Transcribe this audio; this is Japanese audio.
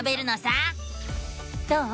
どう？